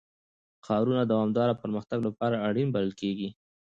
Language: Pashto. ښارونه د دوامداره پرمختګ لپاره اړین بلل کېږي.